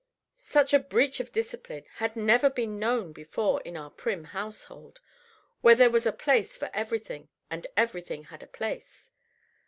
Such a breach of discipline had never been known before in our prim household, where there was a place for everything, and everything had a place.